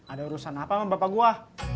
ada urusan apa sama bapak gue